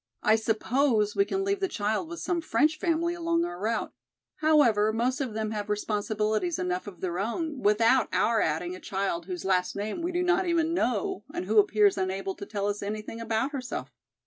"I suppose we can leave the child with some French family along our route. However, most of them have responsibilities enough of their own, without our adding a child whose last name we do not even know and who appears unable to tell us anything about herself."